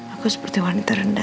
aku seperti wanita rendah